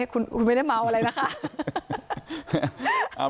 คุณไม่ได้เมาอะไรนะคะ